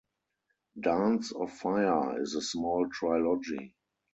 "Dance of fire" is a small trilogy.